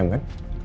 amat mustah latest